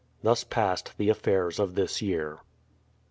Thus passed the affairs of this year.